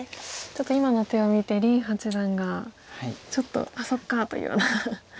ちょっと今の手を見て林八段が「あっそっか」というような。